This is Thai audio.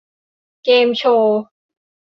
เกมส์โชว์